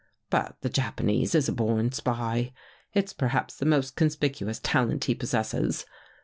But the Japanese is a born spy. It's perhaps the most conspicuous talent he possesses.